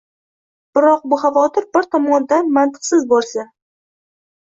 Biroq bu xavotir bir tomondan mantiqsiz bo‘lsa